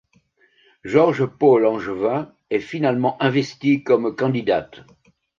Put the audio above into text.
George Pau-Langevin est finalement investie comme candidate.